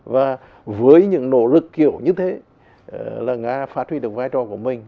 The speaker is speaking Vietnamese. và với những nỗ lực kiểu như thế là nga phát huy được vai trò của mình